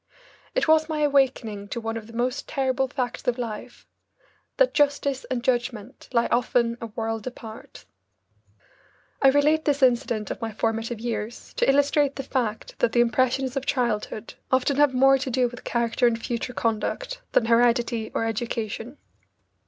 It was my awakening to one of the most terrible facts of life that justice and judgment lie often a world apart. I relate this incident of my formative years to illustrate the fact that the impressions of childhood often have more to do with character and future conduct than heredity or education.